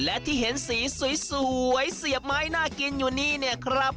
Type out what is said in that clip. และที่เห็นสีสวยเสียบไม้น่ากินอยู่นี่เนี่ยครับ